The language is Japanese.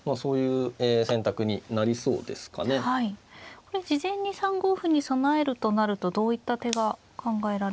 これ事前に３五歩に備えるとなるとどういった手が考えられますか。